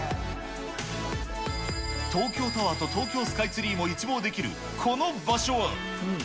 東京タワーと東京スカイツリーも一望できるこの場所は。